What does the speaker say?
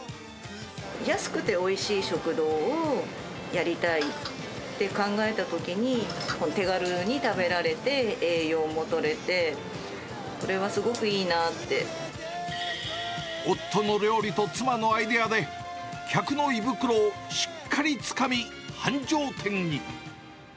安くておいしい食堂をやりたいって考えたときに、手軽に食べられて、栄養もとれて、これはす夫の料理と妻のアイデアで、客の胃袋をしっかりつかみ、繁盛店に。